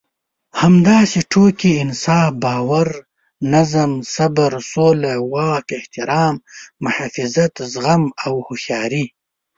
همداسې ټوکې، انصاف، باور، نظم، صبر، سوله، واک، احترام، محافظت، زغم او هوښياري.